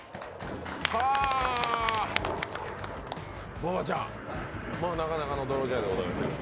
馬場ちゃん、なかなかの泥仕合でございましたけど。